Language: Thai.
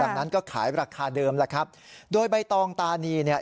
ดังนั้นก็ขายราคาเดิมแล้วครับโดยใบตองตานีเนี่ย